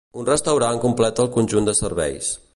Un restaurant completa el conjunt de serveis.